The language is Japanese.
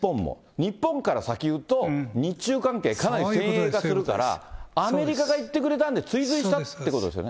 日本から先言うと、日中関係、かなり先鋭化するからアメリカが言ってくれたんで、追随したってことですよね。